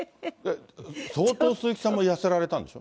相当鈴木さんも痩せられたんでしょ？